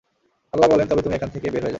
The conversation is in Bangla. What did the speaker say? আল্লাহ বললেন, তবে তুমি এখান থেকে বের হয়ে যাও।